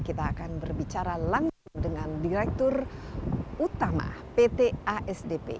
kita akan berbicara langsung dengan direktur utama pt asdp